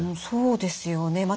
そうですよね。